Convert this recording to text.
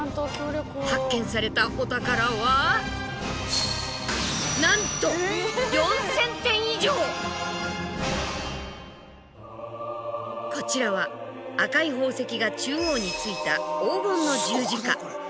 発見されたお宝はなんとこちらは赤い宝石が中央についた黄金の十字架。